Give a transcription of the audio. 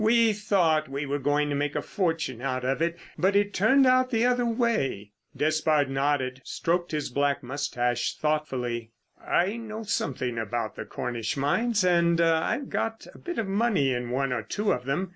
"We thought we were going to make a fortune out of it, but it turned out the other way." Despard nodded and stroked his black moustache thoughtfully. "I know something about the Cornish mines, and I've got a bit of money in one or two of them.